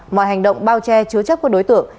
mọi hành động bao che chứa chấp của đối tượng